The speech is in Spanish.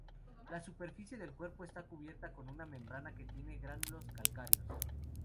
La superficie del cuerpo está cubierta con una membrana que tiene gránulos calcáreos.